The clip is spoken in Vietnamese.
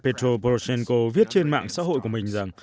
petro pochenco viết trên mạng xã hội của mình rằng